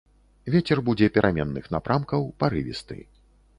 Вецер будзе пераменных напрамкаў, парывісты.